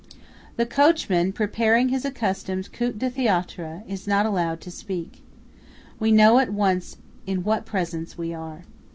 The coachman, preparing his accustomed coup de théâtre, is not allowed to speak. We know at once in what Presence we are.